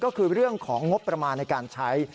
ก็คือเรื่องของงบประมาณในการใช้